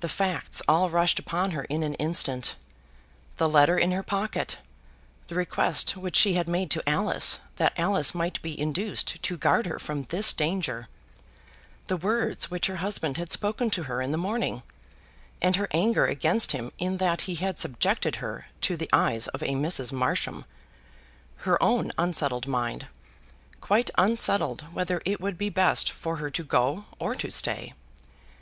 The facts all rushed upon her in an instant; the letter in her pocket; the request which she had made to Alice, that Alice might be induced to guard her from this danger; the words which her husband had spoken to her in the morning, and her anger against him in that he had subjected her to the eyes of a Mrs. Marsham; her own unsettled mind quite unsettled whether it would be best for her to go or to stay!